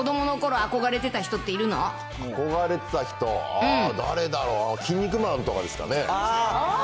憧れてた人、誰だろ、キン肉マンとかですかね。